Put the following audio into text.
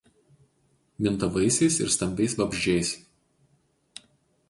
Minta vaisiais ir stambiais vabzdžiais.